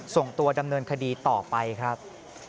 ส่งตัวดำเนินคดีต่อไปครับ